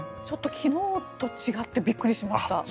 ちょっと昨日と違ってびっくりしました。